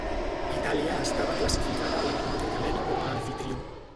Itàlia estava classificada automàticament com a amfitrió.